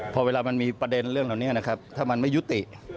พอเวลามันมีประเด็นเรื่องเหล่านี้นะครับถ้ามันไม่ยุติ